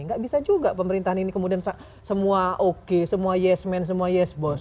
nggak bisa juga pemerintahan ini kemudian semua oke semua yes man semua yes bos